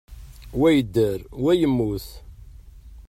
Wa yedder, wa yemmut.